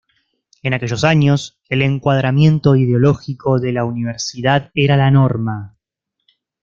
En aquellos años el encuadramiento ideológico de la Universidad era la norma.